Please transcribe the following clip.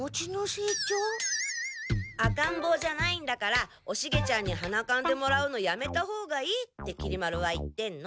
赤んぼうじゃないんだからおシゲちゃんにはなかんでもらうのやめたほうがいいってきり丸は言ってんの。